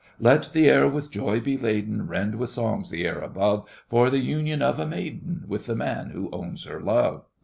Let the air with joy be laden, Rend with songs the air above, For the union of a maiden With the man who owns her love!